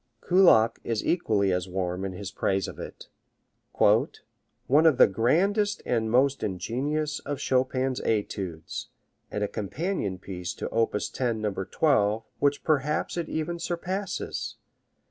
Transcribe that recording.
Kullak is equally as warm in his praise of it: One of the grandest and most ingenious of Chopin's etudes, and a companion piece to op. 10, No. 12, which perhaps it even surpasses.